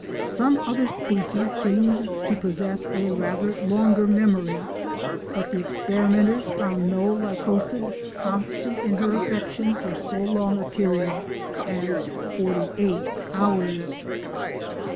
Some other species seemed to possess a rather longer memory, but the experimenters found no Lycosid constant in her affection for so long a period as forty eight hours.